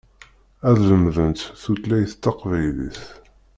Ad lemdent tutlayt taqbaylit.